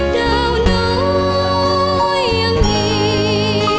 ดาวน้อยยังมี